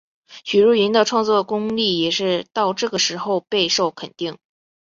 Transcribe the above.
许茹芸的创作功力也是到这个时候备受肯定。